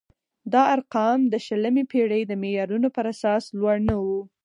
دا ارقام د شلمې پېړۍ د معیارونو پر اساس لوړ نه وو.